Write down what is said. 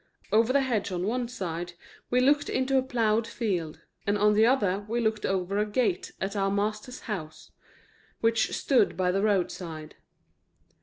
Over the hedge on one side we looked into a plowed field, and on the other we looked over a gate at our master's house, which stood by the roadside.